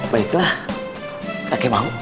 baiklah kakek mau